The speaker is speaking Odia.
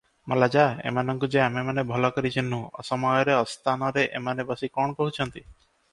ମଲା-ଯା! ଏମାନଙ୍କୁ ଯେ ଆମେମାନେ ଭଲ କରି ଚିହ୍ନୁ! ଅସମୟରେ ଆସ୍ଥାନରେ ଏମାନେ ବସି କଣ କହୁଛନ୍ତି?